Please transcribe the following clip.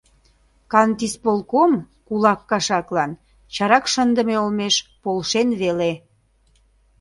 — Кантисполком кулак кашаклан чарак шындыме олмеш полшен веле.